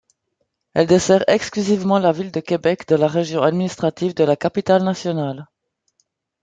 Elle dessert exclusivement la ville de Québec, dans la région administrative de la Capitale-Nationale.